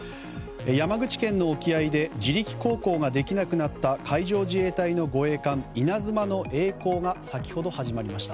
山口県の沖合で自力航行ができなくなった海上自衛隊の護衛艦「いなづま」のえい航が先ほど始まりました。